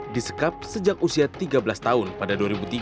disekap sejak usia tiga belas tahun pada dua ribu tiga